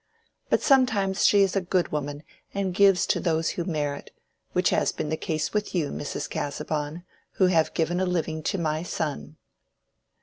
But sometimes she is a good woman and gives to those who merit, which has been the case with you, Mrs. Casaubon, who have given a living to my son."